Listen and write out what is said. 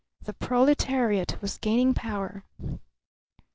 The proletariat was gaining power.